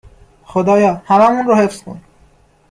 !خدایا هممون رو حفظ کن